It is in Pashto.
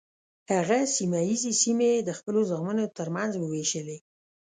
هغه سیمه ییزې سیمې یې د خپلو زامنو تر منځ وویشلې.